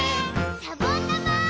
「しゃぼんだま！」